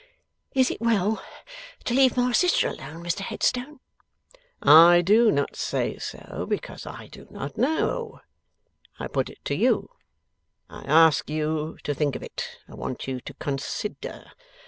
'Is it well to leave my sister alone, Mr Headstone?' 'I do not say so, because I do not know. I put it to you. I ask you to think of it. I want you to consider.